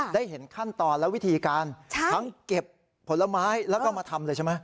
ได้เห็นขั้นตอนและวิธีการทั้งเก็บผลไม้แล้วก็มาทำเลยใช่ไหม